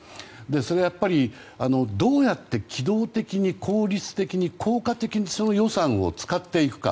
それは、やっぱりどうやって機動的に効率的に、効果的にその予算を使っていくか。